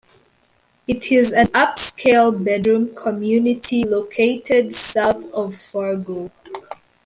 It is an upscale bedroom community located south of Fargo.